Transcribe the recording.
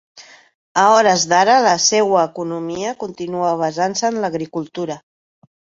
A hores d'ara la seua economia continua basant-se en l'agricultura.